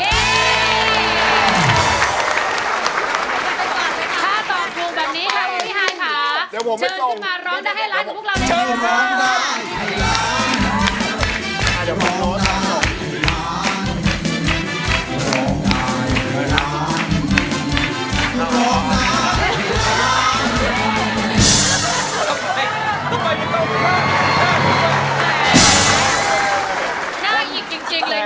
ถ้าตอบคลุมแบบนี้ครับผู้มีหายค่ะเชิญสึกมาร้องให้หลายของพวกเราเลยครับ